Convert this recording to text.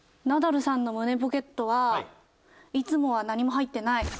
ナダルさんの胸ポケットはいつもは何も入ってない。